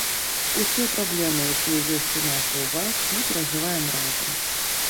Усе праблемы, якія ёсць у нас і ў вас, мы перажываем разам.